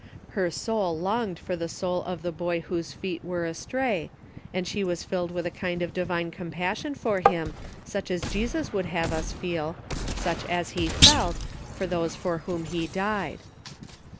Her soul longed for the soul of the boy whose feet were astray, and she was filled with a kind of divine compassion for him, such as Jesus would have us feel, such as he felt, for those for whom he died.